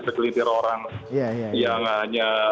sekeliling orang yang hanya